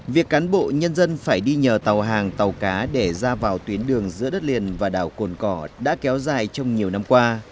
việc cán bộ nhân dân phải đi nhờ tàu hàng tàu cá để ra vào tuyến đường giữa đất liền và đảo cồn cỏ đã kéo dài trong nhiều năm qua